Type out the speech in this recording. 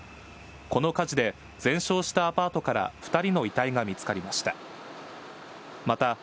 この火事で全焼したアパートから２人の遺体が見つかりました。